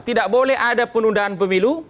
tidak boleh ada penundaan pemilu